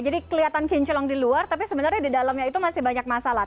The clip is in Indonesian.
jadi kelihatan kinclong di luar tapi sebenarnya di dalamnya itu masih banyak masalah